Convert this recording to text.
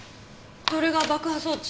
これが爆破装置？